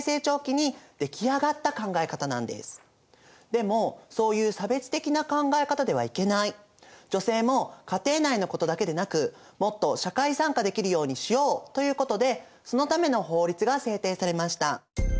でもそういう差別的な考え方ではいけない女性も家庭内のことだけでなくもっと社会参加できるようにしようということでそのための法律が制定されました。